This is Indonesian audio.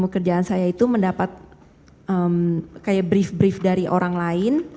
kerjaan saya itu mendapat brief brief dari orang lain